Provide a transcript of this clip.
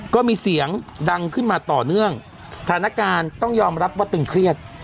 ก็มีเสียงดังขึ้นมาต่อเนื่องสถานการณ์ต้องยอมรับว่าตึงเครียด